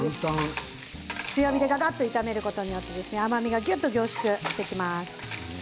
強火で炒めることによって甘みがぎゅっと凝縮します。